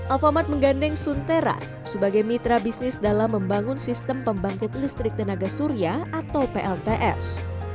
alfamart menggandeng suntera sebagai mitra bisnis dalam membangun sistem pembangkit listrik tenaga surya atau plts